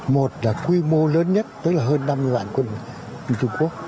một là quy mô lớn nhất tức là hơn năm mươi vạn quân trung quốc